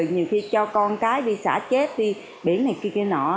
nhiều khi cho con cái đi xả chết đi biển này kia kia nọ